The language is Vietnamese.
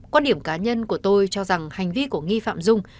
quan điểm cá nhân của tôi cho rằng hành vi của nghi phạm dung